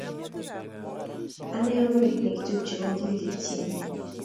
Ane ak werit nekitupche ko kikilekitchine